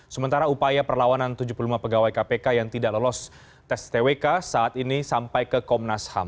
sementara upaya perlawanan tujuh puluh lima pegawai kpk yang tidak lolos tes twk saat ini sampai ke komnas ham